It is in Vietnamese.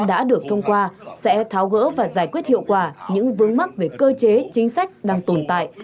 đã được thông qua sẽ tháo gỡ và giải quyết hiệu quả những vướng mắc về cơ chế chính sách đang tồn tại